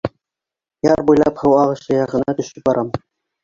Яр буйлап һыу ағышы яғына төшөп барам.